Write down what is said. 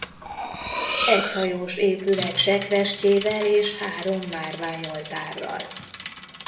Egyhajós épület sekrestyével és három márvány oltárral.